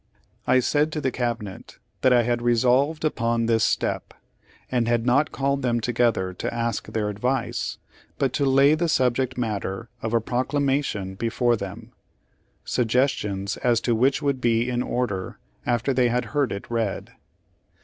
I said to the Cabinet that I had resolved upon this step, and had not called them together to ask their advice, but to lay the subject matter of a proclamation before them; sug gestions as to which would be in order, after they had heard it read.